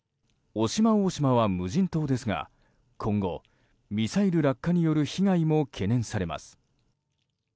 渡島大島は無人島ですが今後、ミサイル落下による被害も懸念されます。